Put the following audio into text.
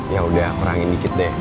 ya udah kurangin dikit deh